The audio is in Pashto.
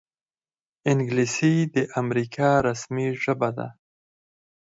انګلیسي د امریکا رسمي ژبه ده